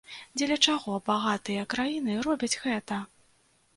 Дзеля чаго багатыя краіны робяць гэта?